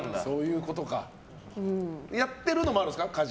やってるのもあるんですか